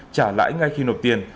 trả lãi ngay khi nộp tiền